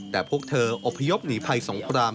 แต่พวกเธออบพยพหนีภัยสงคราม